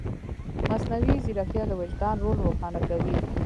مصنوعي ځیرکتیا د وجدان رول روښانه کوي.